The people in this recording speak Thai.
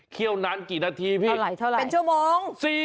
เคี่ยวนานกี่นาทีพี่